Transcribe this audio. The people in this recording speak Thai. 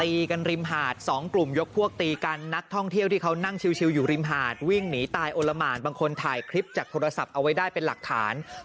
กันริมหาดสองกลุ่มยกพวกตีกันนักท่องเที่ยวที่เขานั่งชิวอยู่ริมหาดวิ่งหนีตายโอละหมานบางคนถ่ายคลิปจากโทรศัพท์เอาไว้ได้เป็นหลักฐาน